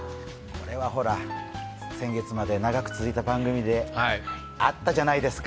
ほら、先月まで長く続いた番組であったじゃないですか。